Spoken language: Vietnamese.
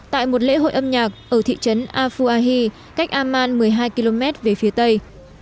tại một lễ hội âm nhạc ở thị trấn afuahi cách amman một mươi hai km về phía tây